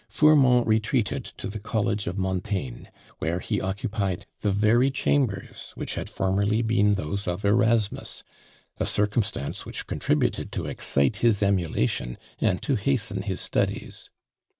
Fourmont retreated to the college of Montaign, where he occupied the very chambers which had formerly been those of Erasmus; a circumstance which contributed to excite his emulation, and to hasten his studies.